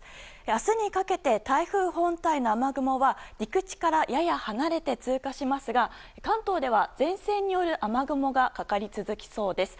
明日にかけて、台風本体の雨雲は陸地からやや離れて通過しますが関東では前線による雨雲がかかり続けるそうです。